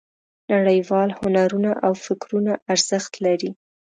نړیوال هنرونه او فکرونه ارزښت لري.